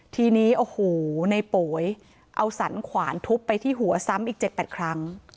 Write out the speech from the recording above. ทีนี้โอ้โหในโป๋ยเอาสรรขวานทุบไปที่หัวซ้ำอีก๗๘ครั้ง